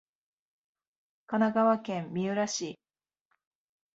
神奈川県三浦市